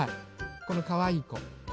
このかわいいこ。